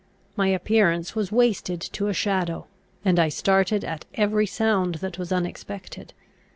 My appearance was wasted to a shadow; and I started at every sound that was unexpected.